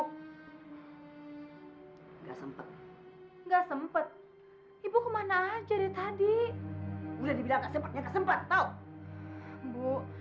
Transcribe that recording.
nggak sempet nggak sempet ibu kemana aja deh tadi udah dibilang sempet sempet tahu bu